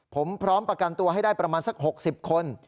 ผมพร้อมประกันตัวให้ได้ประมาณสัก๖๐คน